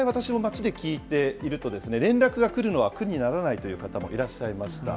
実際、私も街で聞いていると、連絡が来るのは苦にならないという方もいらっしゃいました。